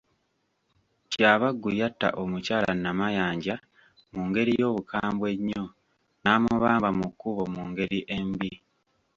Kyabaggu yatta omukyala Namayanja mu ngeri y'obukambwe ennyo n'amubamba mu kubo mu ngeri embi.